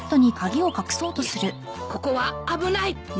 いやここは危ない。